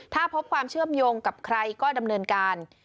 ถ้าพบความเชื่อมโยงกับใครก็ดำเนินการ